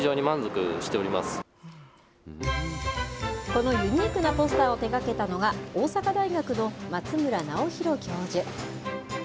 このユニークなポスターを手がけたのが、大阪大学の松村真宏教授。